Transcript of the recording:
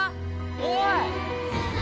おい！